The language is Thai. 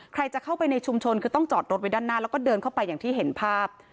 ใครจะเข้าไปในชุมชนคือต้องจอดรถไว้ด้านหน้าแล้วก็เดินเข้าไปอย่างที่เห็นภาพ